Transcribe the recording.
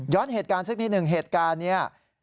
ย้อนเหตุการณ์ซึ่งที่หนึ่งเหตุการณ์นี้